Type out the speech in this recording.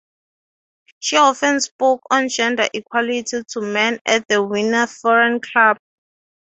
She often spoke on gender equality to men at the Wiener Frauen Club.